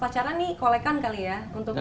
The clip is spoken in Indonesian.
pas pacaran nih kolekan kali ya